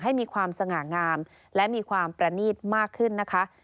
ให้มีความสง่างามและมีความประนีตมากขึ้นนะคะ